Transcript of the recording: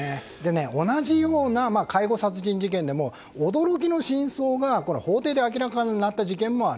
同じような介護殺人事件でも驚きの真相が法廷で明らかになった事件もある。